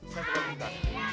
saya sering minta